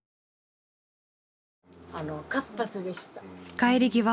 帰り際